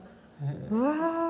うわ。